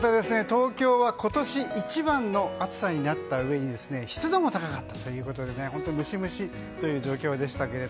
東京は今年一番の暑さになったうえに湿度も高かったということでムシムシという状況でした。